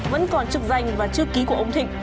vẫn còn trực danh và chưa ký của ông thịnh